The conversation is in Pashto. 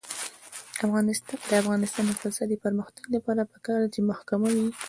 د افغانستان د اقتصادي پرمختګ لپاره پکار ده چې محکمه وي.